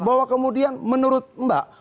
bahwa kemudian menurut mbak